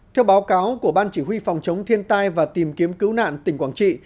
theo báo cáo của ban chỉ huy phòng chống thiên tai và tìm kiếm cứu nạn tỉnh quảng trị